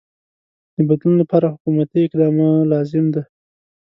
د بدلون لپاره حکومتی اقدام لازم دی.